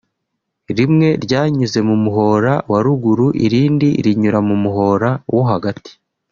rimwe ryanyuze mu muhora wa ruguru irindi rinyura mu muhora wo hagati